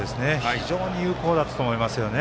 非常に有効だったと思いますね。